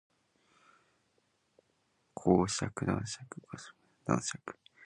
公爵侯爵伯爵子爵男爵